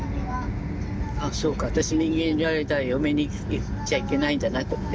ああそうか私「民藝」にいる間は嫁に行っちゃいけないんだなと思って。